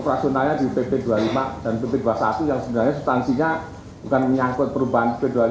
operasionalnya di pp dua puluh lima dan pp dua puluh satu yang sebenarnya substansinya bukan menyangkut perubahan p dua puluh lima